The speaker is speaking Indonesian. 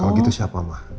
kalau gitu siapa ma